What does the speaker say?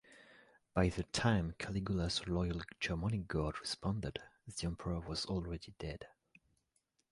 By the time Caligula's loyal Germanic guard responded, the emperor was already dead.